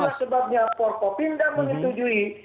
itu sebabnya forkopim dan menyetujui